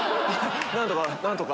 何とか何とか。